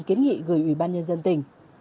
một mươi chín kiến nghị gửi ủy ban nhân dân tỉnh